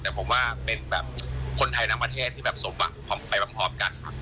แต่ผมว่าเป็นแบบคนไทยทั้งประเทศที่แบบสมหวังไปพร้อมกันครับ